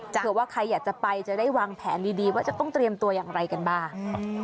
เผื่อว่าใครอยากจะไปจะได้วางแผนดีว่าจะต้องเตรียมตัวอย่างไรกันบ้าง